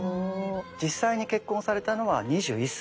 実際に結婚されたのは２１歳。